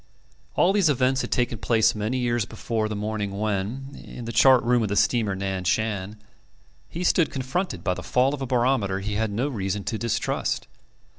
All these events had taken place many years before the morning when, in the chart room of the steamer Nan Shan, he stood confronted by the fall of a barometer he had no reason to distrust.